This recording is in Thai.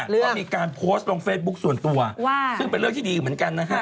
ก็มีการโพสต์ลงเฟซบุ๊คส่วนตัวซึ่งเป็นเรื่องที่ดีเหมือนกันนะฮะ